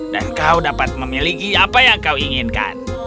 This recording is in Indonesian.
dan kau dapat memiliki apa yang kau inginkan